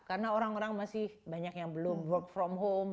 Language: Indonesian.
karena orang orang masih banyak yang belum work from home